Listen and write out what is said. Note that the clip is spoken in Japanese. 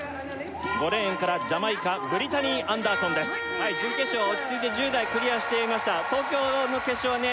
５レーンからジャマイカブリタニー・アンダーソンですはい準決勝落ち着いて１０台クリアしていました東京の決勝はね